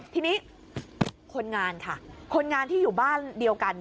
ทีนี้คนงานค่ะคนงานที่อยู่บ้านเดียวกัน